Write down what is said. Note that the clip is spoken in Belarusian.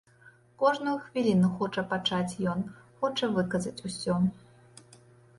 Кожную хвіліну хоча пачаць ён, хоча выказаць усё.